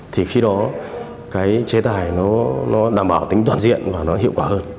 thì khi đó cái chế tài nó đảm bảo tính toàn diện và nó hiệu quả hơn